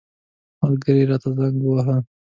ملګري راته زنګ وواهه.